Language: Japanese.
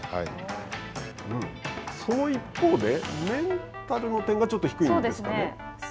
その一方で、メンタルの点がちょっと低いんですかね。